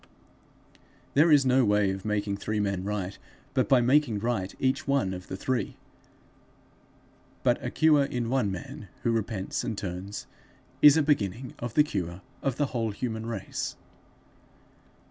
There is no way of making three men right but by making right each one of the three; but a cure in one man who repents and turns, is a beginning of the cure of the whole human race.